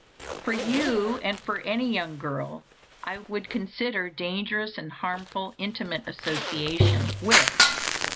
For you, and for any young girl, I would consider dangerous and harmful intimate association with: 1.